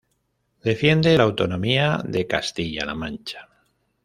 Defiende la autonomía de Castilla-La Mancha.